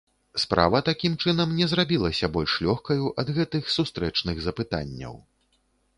Справа такім чынам не зрабілася больш лёгкаю ад гэтых сустрэчных запытанняў.